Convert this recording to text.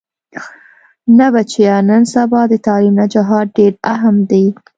نه بچيه نن سبا د تعليم نه جهاد ډېر اهم دې.